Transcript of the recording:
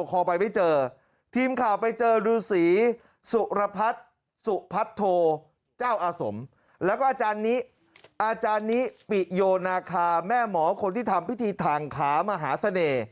ปกครองไปไม่เจอทีมข่าวไปเจอฤษีสุรพัฒน์สุพัทโทเจ้าอาสมแล้วก็อาจารย์นี้อาจารย์นิปิโยนาคาแม่หมอคนที่ทำพิธีทางขามหาเสน่ห์